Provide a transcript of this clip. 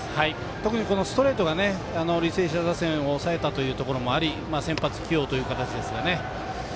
特にストレートが履正社打線を抑えたということもあり先発起用という形ですね。